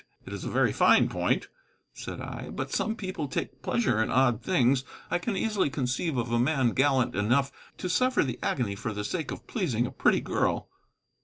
"It is a very fine point," said I. "But some people take pleasure in odd things. I can easily conceive of a man gallant enough to suffer the agony for the sake of pleasing a pretty girl."